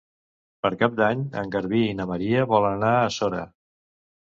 Per Cap d'Any en Garbí i na Maria volen anar a Sora.